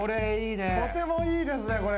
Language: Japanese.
とてもいいですね、これ。